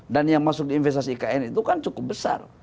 dan yang masuk di investasi ikn itu kan cukup besar